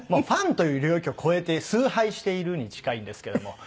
ファンという領域を越えて崇拝しているに近いんですけども。